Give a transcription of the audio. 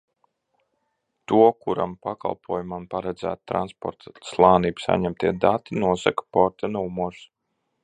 To, kuram pakalpojumam paredzēti transporta slānī saņemtie dati, nosaka porta numurs.